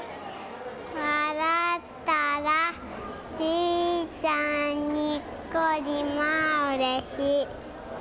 「わらったらじいちゃんにっこりまあうれしい」。